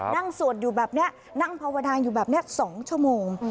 สวดอยู่แบบนี้นั่งภาวนาอยู่แบบนี้๒ชั่วโมง